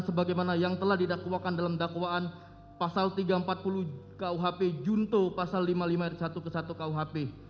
sebagaimana yang telah didakwakan dalam dakwaan pasal tiga ratus empat puluh kuhp junto pasal lima puluh lima ayat satu ke satu kuhp